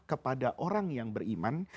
kepada orang yang beriman